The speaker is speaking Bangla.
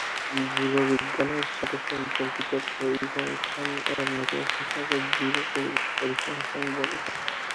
জীববিজ্ঞানের সাথে সম্পর্কিত পরিসংখ্যান এর নতুন শাখাকে জীব পরিসংখ্যান বলে।